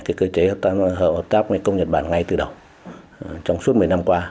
chính năng chúng ta đã tham gia hợp tác mekong nhật bản ngay từ đầu trong suốt một mươi năm qua